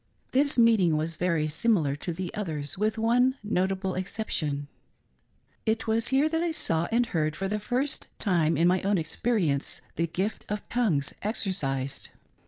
This meet ing was very similar to the others, with one notable excep tion :— it was here that I saw and heard, for the iirst time in my own experience, the " gift of tongues " exercised.